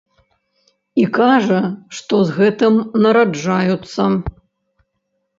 І кажа, што з гэтым нараджаюцца.